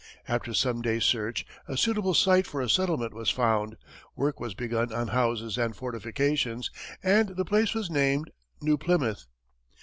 After some days' search, a suitable site for a settlement was found, work was begun on houses and fortifications, and the place was named New Plymouth.